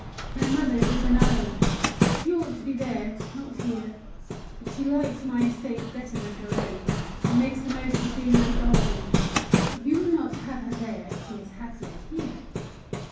My mother's is in Ireland. She ought to be there, not here; but she likes my estates better than her own, and makes the most of being my guardian." "You would not have her there if she is happier here?"